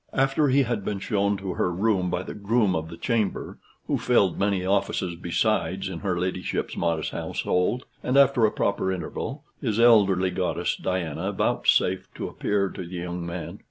After he had been shown to her room by the groom of the chamber, who filled many offices besides in her ladyship's modest household, and after a proper interval, his elderly goddess Diana vouchsafed to appear to the young man.